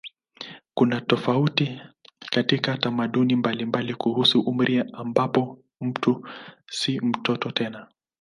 Kuna tofauti katika tamaduni mbalimbali kuhusu umri ambapo mtu si mtoto tena.